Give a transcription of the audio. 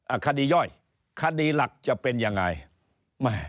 อ่าคดีย่อยคดีหลักจะเป็นยังไง